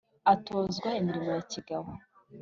atozwa imirimo ya kigabo,